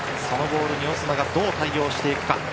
そのボールにオスナがどう対応していくか。